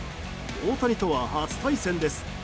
大谷とは初対戦です。